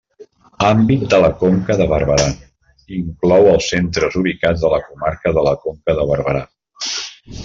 Àmbit de la Conca de Barberà: inclou els centres ubicats a la comarca de la Conca de Barberà.